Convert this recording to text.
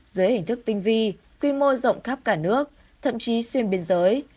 dưới hình thức tinh vi quy mô rộng khắp cả nước thậm chí xuyên biên giới